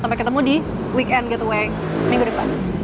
sampai ketemu di weekend goodway minggu depan